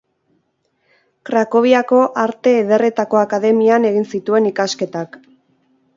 Krakoviako Arte Ederretako Akademian egin zituen ikasketak.